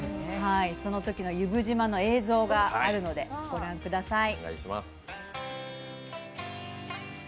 そのときの由布島の映像があるので御覧ください。